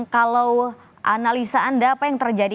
kalau analisa anda apa yang terjadi